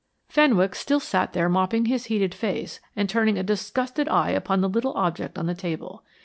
Fenwick still sat there mopping his heated face and turning a disgusted eye upon the little object on the table.